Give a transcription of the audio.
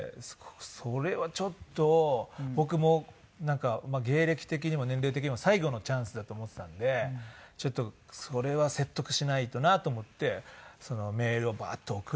それはちょっと僕も芸歴的にも年齢的にも最後のチャンスだと思っていたんでちょっとそれは説得しないとなと思ってメールをバーッと送りまして。